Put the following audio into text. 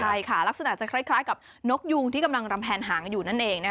ใช่ค่ะลักษณะจะคล้ายกับนกยุงที่กำลังรำแพนหางอยู่นั่นเอง